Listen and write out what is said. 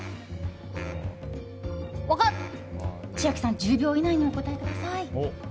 千秋さん１０秒以内にお答えください。